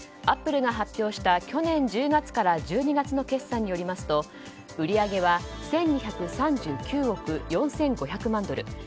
アップルが発表した去年１０月から１２月の決算によりますと売り上げは１２３９億４５００万ドル。